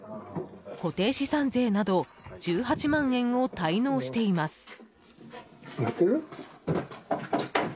固定資産税など１８万円を滞納しています。